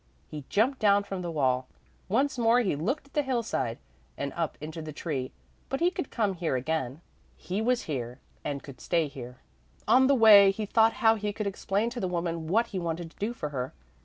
He jumped down from the wall. Once more he looked at the hillside, and up into the tree, but he could come here again; he was here and could stay here. On the way he thought how he could explain to the woman what he wanted to do for her.